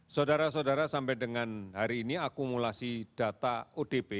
saudara saudara sampai dengan hari ini akumulasi data odp